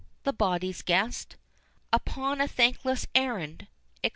the body's guest, Upon a thankless errand, &c.